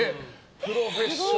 プロフェッショナル。